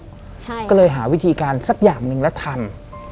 ใช่ก็เลยหาวิธีการสักอย่างหนึ่งแล้วทัน